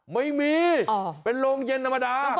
ไม่มีเป็นโรงเย็นธรรมดา